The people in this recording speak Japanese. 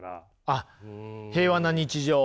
あっ平和な日常を。